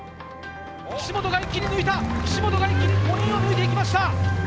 岸本が一気に抜いた、岸本が一気に５人を抜いていきました。